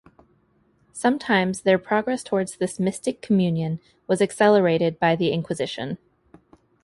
Sometimes their progress towards this mystic communion was accelerated by the Inquisition.